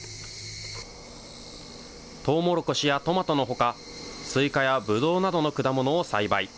トウモロコシやトマトのほか、スイカやブドウなどの果物を栽培。